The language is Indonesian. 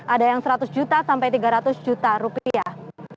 ada yang seratus juta sampai tiga ratus juta rupiah